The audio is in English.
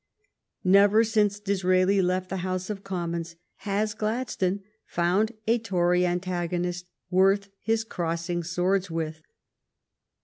Never since Disraeli left the House of Commons has Gladstone found a Tory antagonist worth his crossing swords with.